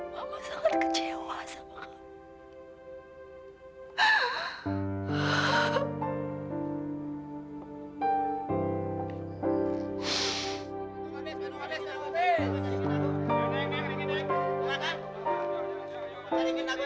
mama sangat kecewa dengan kamu